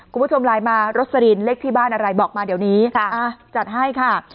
คุณผู้ชมไลน์มารสลินเลขที่บ้านอะไรบอกมาเดี๋ยวนี้จัดให้ค่ะ